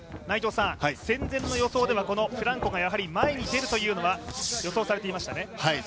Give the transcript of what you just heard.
戦前の予想ではフランコが前に出るというのは予想されていましたね。